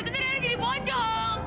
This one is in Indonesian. tidak ada eira jadi pocong